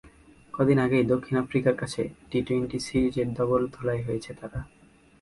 কদিন আগেই দক্ষিণ আফ্রিকার কাছে টি-টোয়েন্টি সিরিজে ধবল ধোলাই হয়েছে তারা।